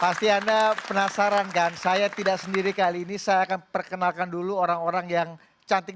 pasti anda penasaran kan saya tidak sendiri kali ini saya akan perkenalkan dulu orang orang yang cantik